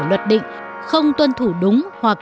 luật định không tuân thủ đúng hoặc